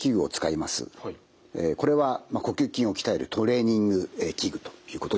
これは呼吸筋を鍛えるトレーニング器具ということになります。